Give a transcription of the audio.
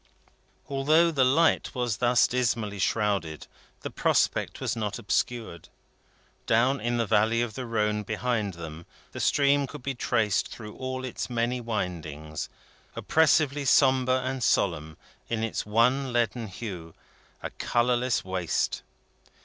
Although the light was thus dismally shrouded, the prospect was not obscured. Down in the valley of the Rhone behind them, the stream could be traced through all its many windings, oppressively sombre and solemn in its one leaden hue, a colourless waste.